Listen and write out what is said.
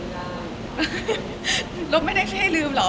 เลยลบมาได้ใช่ลืมหรอ